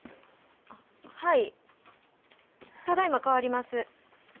はいただいま代わります。